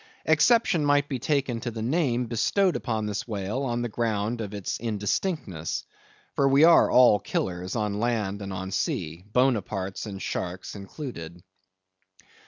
Exception might be taken to the name bestowed upon this whale, on the ground of its indistinctness. For we are all killers, on land and on sea; Bonapartes and Sharks included.